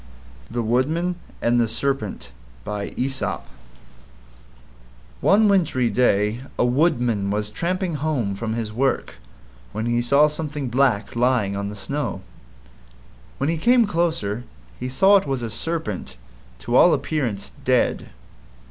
THE WOODMAN AND THE SERPENT One wintry day a Woodman was tramping home from his work when he saw something black lying on the snow. When he came closer, he saw it was a Serpent to all appearance dead.